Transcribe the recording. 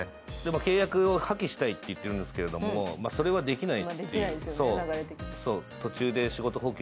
契約を破棄したいと言ってるんですけど、それはできない。